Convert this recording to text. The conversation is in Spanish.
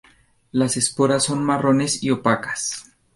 Las esporas son marrones y opacas.